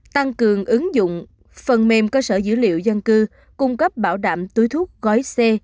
tăng cường ứng dụng phần mềm cơ sở dữ liệu dân cư cung cấp bảo đảm túi thuốc gói xe